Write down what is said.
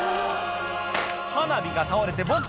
花火が倒れてボク